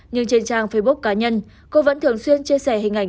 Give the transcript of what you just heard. nhưng trên trang facebook cá nhân cô vẫn thường xuyên chia sẻ hình ảnh